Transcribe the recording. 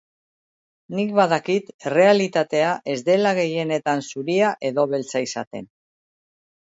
Nik badakit errealitatea ez dela gehienetan zuria edo beltza izaten.